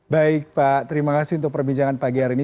baik pak terima kasih untuk perbincangan pagi hari ini